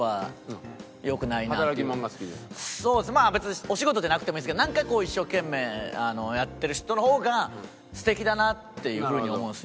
別にお仕事じゃなくてもいいんですけどなんか一生懸命やってる人の方が素敵だなっていう風に思うんですよ。